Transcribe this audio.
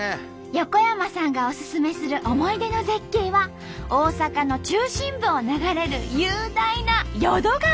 横山さんがおすすめする思い出の絶景は大阪の中心部を流れる雄大な淀川。